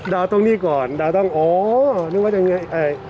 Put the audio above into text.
ตรงนี้ก่อนดาวต้องอ๋อนึกว่ายังไง